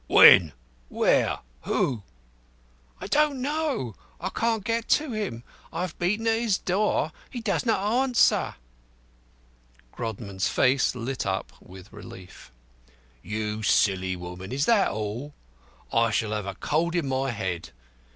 When? Where? Who?" "I don't know. I can't get to him. I have beaten at his door. He does not answer." Grodman's face lit up with relief. "You silly woman! Is that all? I shall have a cold in my head.